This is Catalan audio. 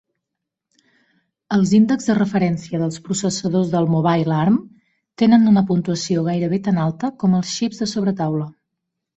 Els índexs de referència dels processadors de Mobile Arm tenen una puntuació gairebé tan alta com els xips de sobretaula.